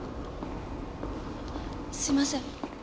すいません。